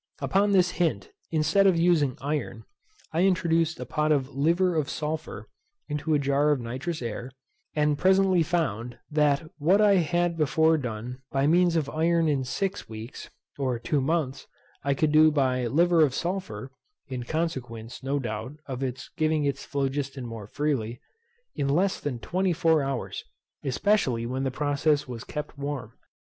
Upon this hint, instead of using iron, I introduced a pot of liver of sulphur into a jar of nitrous air, and presently found, that what I had before done by means of iron in six weeks, or two months, I could do by liver of sulphur (in consequence, no doubt, of its giving its phlogiston more freely) in less than twenty four hours, especially when the process was kept warm.